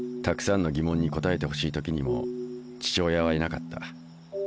たくさんの疑問に答えてほしい時にも父親はいなかった。